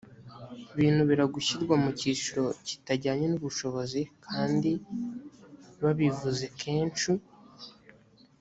binubira gushyirwa mu cyiciro kitajyanye n’ubushobozi kandi babivuzi kenshu